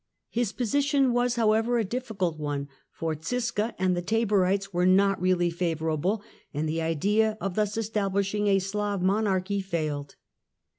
His position was, however, a difficult one, for Ziska and the Taborites were not really favourable, and the idea of thus establishing a Slav monarchy failed.